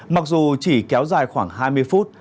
mặc dù chỉ kéo dài khoảng hai mươi phút